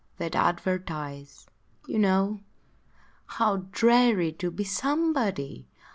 they'd advertise you know! How dreary to be Somebody!